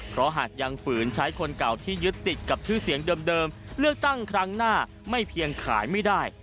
เพราะหากยังฝืนใช้คนเก่าที่ยึดติดกับชื่อเสียงเดิมเลือกตั้งครั้งหน้าไม่เพียงขายไม่ได้